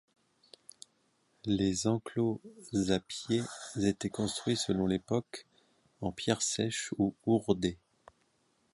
Les enclos-apiers étaient construits selon l'époque en pierre sèche ou hourdée.